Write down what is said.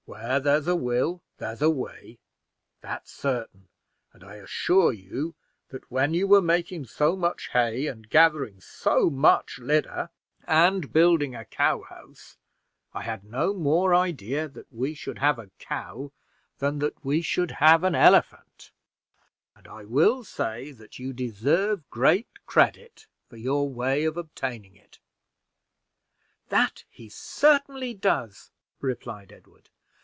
"'Where there's a will, there's a way,' that's certain; and I assure you, that when you were making so much hay, and gathering so much litter, and building a cow house, I had no more idea that we should have a cow than that we should have an elephant; and I will say that you deserve great credit for your way of obtaining it." "That he certainly does," replied Edward.